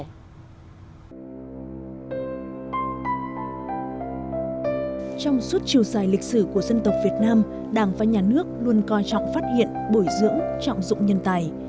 trong suốt chiều dài lịch sử của dân tộc việt nam đảng và nhà nước luôn coi trọng phát hiện bồi dưỡng trọng dụng nhân tài